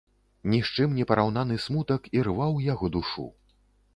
Ні з чым непараўнаны смутак ірваў яго душу.